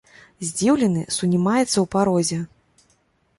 Здзіўлены сунімаецца ў парозе.